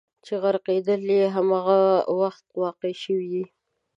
چې غرقېدل یې همغه وخت واقع شوي دي.